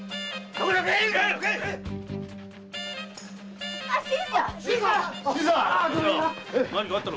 何かあったのか？